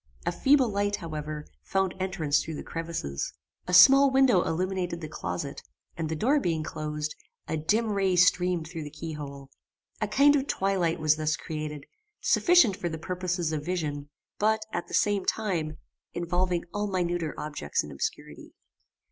A feeble light, however, found entrance through the crevices. A small window illuminated the closet, and the door being closed, a dim ray streamed through the key hole. A kind of twilight was thus created, sufficient for the purposes of vision; but, at the same time, involving all minuter objects in obscurity.